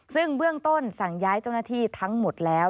ซึ่งเบื้องต้นสั่งย้ายเจ้าหน้าที่ทั้งหมดแล้ว